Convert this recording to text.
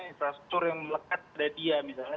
infrastruktur yang melekat pada dia misalnya